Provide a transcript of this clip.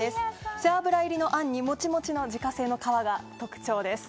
背脂入りのあんにもちもちの自家製の皮が特徴です。